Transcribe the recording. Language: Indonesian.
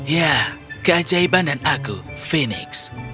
ya keajaiban dan aku fenix